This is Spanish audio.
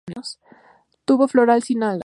Tubo floral sin alas.